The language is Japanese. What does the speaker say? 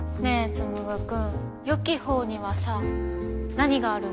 つむぐくんよき方にはさ何があるの？